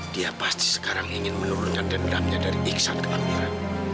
dia pasti sekarang ingin menurunkan dendamnya dari iksan ke amiran